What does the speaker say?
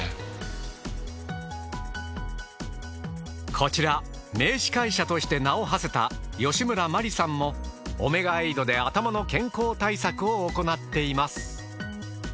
こちら名司会者として名を馳せた芳村真理さんもオメガエイドで頭の健康対策を行っています。